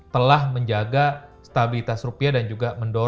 telah menjaga stabilitas rupiah dan juga mendorong